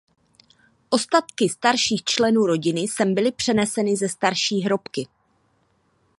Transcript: Ostatky starších členů rodiny sem byly přeneseny ze starší hrobky.